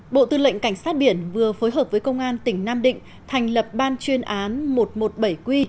bộ tư lệnh cảnh sát biển vừa phối hợp với công an tỉnh nam định thành lập ban chuyên án một trăm một mươi bảy q